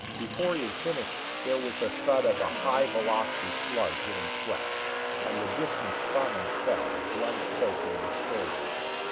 Before he had finished there was the thud of a high velocity slug hitting flesh and the Disan spun and fell, blood soaking his shoulder.